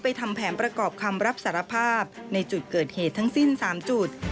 ทำแผนประกอบคำรับสารภาพในจุดเกิดเหตุทั้งสิ้น๓จุด